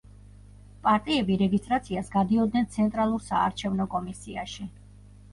პარტიები რეგისტრაციას გადიოდნენ ცენტრალურ საარჩევნო კომისიაში.